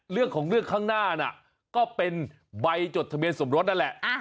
เรื่องของเรื่องข้างหน้าน่ะก็เป็นใบจดทะเบียนสมรสนั่นแหละ